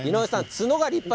角が立派！